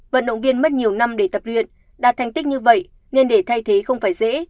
vận động viên mất nhiều năm để tập luyện đạt thành tích như vậy nên để thay thế không phải dễ